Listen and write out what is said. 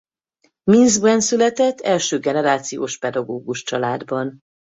Minszkben született első generációs pedagógus családban.